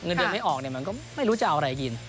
เงินเดือนไม่ออกเนี่ยมันก็ไม่รู้จะเอาอะไรกิน